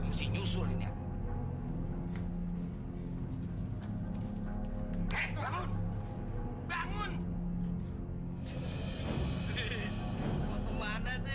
pasang enggak enak amat malenya